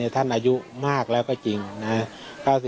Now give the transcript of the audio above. อายุมากแล้วก็จริงนะครับ